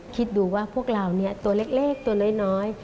คิดดูว่าพวกเราตัวเล็กตัวน้อย